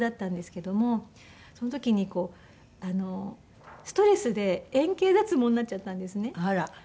その時にストレスで円形脱毛になっちゃったんですね。